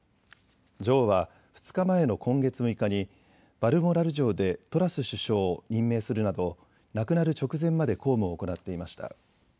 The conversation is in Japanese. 女王は２日前の今月６日にバルモラル城でトラス首相を任命するなど亡くなる直前まで公務を行っていました。